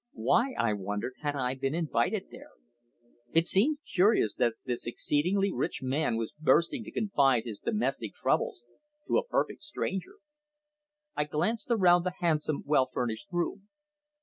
Why, I wondered, had I been invited there? It seemed curious that this exceedingly rich man was bursting to confide his domestic troubles to a perfect stranger. I glanced around the handsome, well furnished room.